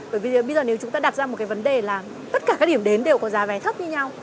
bởi vì bây giờ nếu chúng ta đặt ra một cái vấn đề là tất cả các điểm đến đều có giá vé thấp như nhau